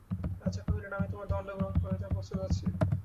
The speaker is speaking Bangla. রাজা কহিলেন, আমি তোমার দণ্ড গ্রহণ করিতে প্রস্তুত আছি।